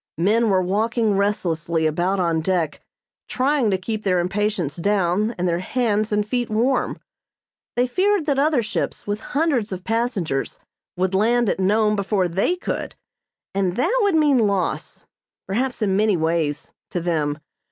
Men were walking restlessly about on deck trying to keep their impatience down and their hands and feet warm. They feared that other ships with hundreds of passengers would land at Nome before they could, and that would mean loss, perhaps in many ways, to them.